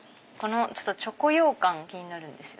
チョコようかん気になるんですよ